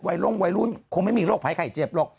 ลงวัยรุ่นคงไม่มีโรคภัยไข้เจ็บหรอก